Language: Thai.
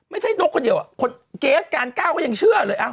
ไม่ใช่นกคนเดียวเฑรศกาล๙ก็ยังเชื่อเลย